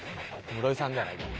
室井さんじゃないから。